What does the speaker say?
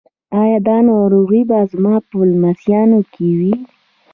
ایا دا ناروغي به زما په لمسیانو کې وي؟